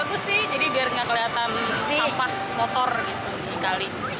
bagus sih jadi biar nggak kelihatan sampah motor gitu di kali